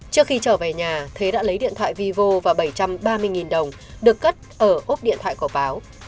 trước khi trở về nhà thế đã lấy điện thoại vivo và bảy trăm ba mươi đồng được cất ở ốp điện thoại của báo